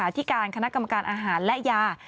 ที่การคณะกรรมการอาหารและยา